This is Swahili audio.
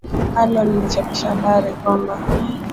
alo lilichapisha habari kwamba